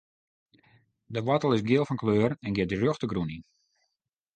De woartel is giel fan kleur en giet rjocht de grûn yn.